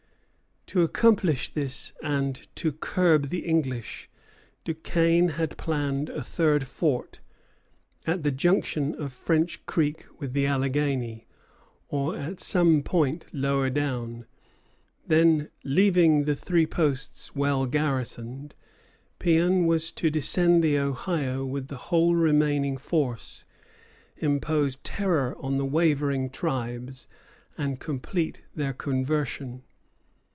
To accomplish this and to curb the English, Duquesne had planned a third fort, at the junction of French Creek with the Alleghany, or at some point lower down; then, leaving the three posts well garrisoned, Péan was to descend the Ohio with the whole remaining force, impose terror on the wavering tribes, and complete their conversion.